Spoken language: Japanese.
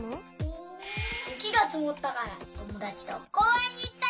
ゆきがつもったからともだちとこうえんにいったよ。